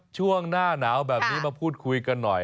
ช่วงหน้าหนาวแบบนี้มาพูดคุยกันหน่อย